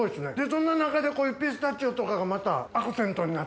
そんな中でこういうピスタチオとかがまたアクセントになって。